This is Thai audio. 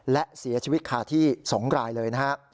และเสียชีวิตคาที่๒รายเลยนะฮะ